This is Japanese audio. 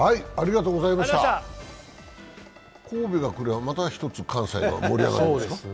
神戸が来りゃ、また一つ、関西は盛り上がりますね。